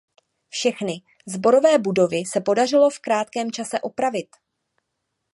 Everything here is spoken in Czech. Všechny sborové budovy se podařilo v krátkém čase opravit.